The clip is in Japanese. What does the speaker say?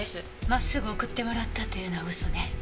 真っすぐ送ってもらったというのは嘘ね。